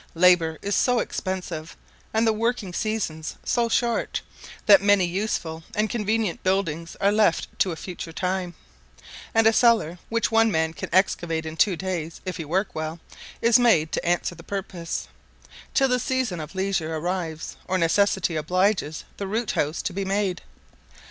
Labour is so expensive, and the working seasons so short, that many useful and convenient buildings are left to a future time; and a cellar, which one man can excavate in two days, if he work well, is made to answer the purpose, till the season of leisure arrives, or necessity obliges the root house to be made.